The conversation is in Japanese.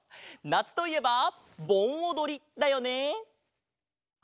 なつといえばぼんおどりだよね。